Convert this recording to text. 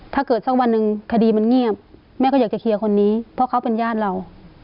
สักวันหนึ่งคดีมันเงียบแม่ก็อยากจะเคลียร์คนนี้เพราะเขาเป็นญาติเรา